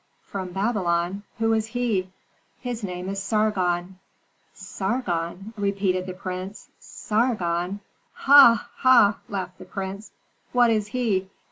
"From Babylon? Who is he?" "His name is Sargon." "Sargon?" repeated the prince. "Sargon? Ha! ha!" laughed the prince. "What is he?"